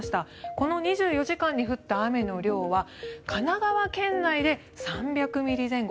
この２４時間に降った雨の量は神奈川県内で３００ミリ前後。